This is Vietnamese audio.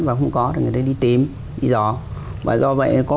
và không có